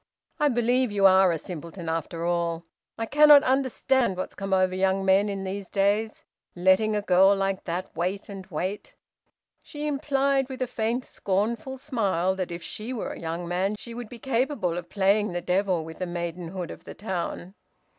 I believe you are a simpleton after all! I cannot understand what's come over the young men in these days. Letting a girl like that wait and wait!" She implied, with a faint scornful smile, that if she were a young man she would be capable of playing the devil with the maidenhood of the town.